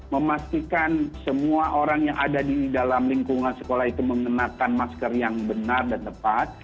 memastikan semua orang yang ada di dalam lingkungan sekolah itu mengenakan masker yang benar dan tepat